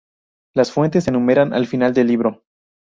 Las fuentes se enumeran al final del libro.